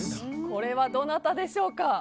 これはどなたでしょうか？